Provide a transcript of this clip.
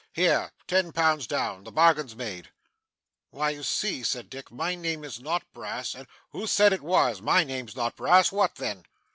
Here. Ten pounds down. The bargain's made.' 'Why you see,' said Dick, 'my name is not Brass, and ' 'Who said it was? My name's not Brass. What then?